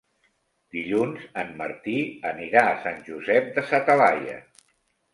Dilluns en Martí anirà a Sant Josep de sa Talaia.